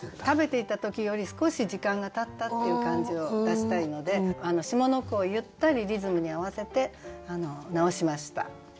食べていた時より少し時間がたったっていう感じを出したいので下の句をゆったりリズムに合わせて直しました。